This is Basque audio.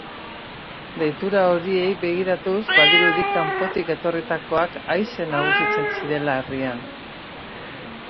Deitura horiei begiratuz, badirudi kanpotik etorritakoak aise nagusitzen zirela herrian.